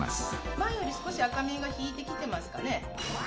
前より少し赤みが引いてきてますかね？